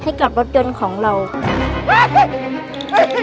กับรถยนต์ของเรา